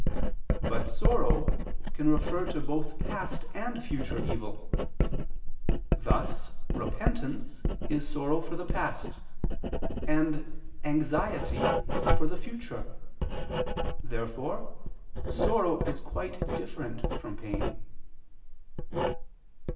But sorrow can refer to both past and future evil: thus repentance is sorrow for the past, and anxiety for the future. Therefore sorrow is quite different from pain.